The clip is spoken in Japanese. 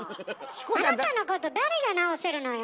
あなたのこと誰がなおせるのよ！